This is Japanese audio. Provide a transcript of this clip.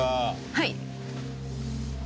はい。